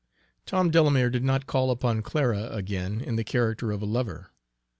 Tom Delamere did not call upon Clara again in the character of a lover.